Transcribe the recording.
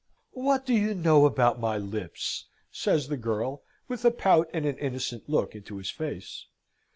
"What do you know about my lips?" says the girl, with a pout and an innocent look into his face.